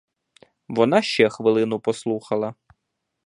Вона ще хвилину послухала.